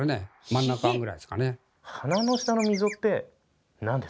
真ん中ぐらいですかね。